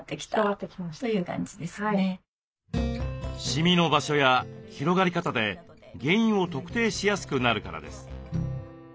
シミの場所や広がり方で原因を特定しやすくなるからです。